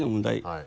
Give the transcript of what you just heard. はい。